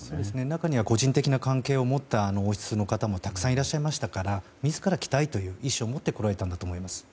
中には個人的な関係を持った王室の方もたくさんいらっしゃいましたから自ら来たいという意思を持って来られたんだと思います。